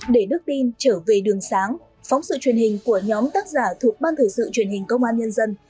để đức tin trở về đường sáng phóng sự truyền hình của nhóm tác giả thuộc ban thể sự truyền hình công an nhân dân